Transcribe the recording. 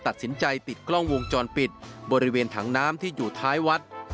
ตัดสินใจปิดกล้องวงจรปิดบริเวณถังน้ำที่อยู่ท้ายวัด